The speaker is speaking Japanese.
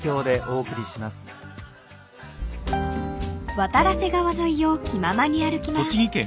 ［渡良瀬川沿いを気ままに歩きます］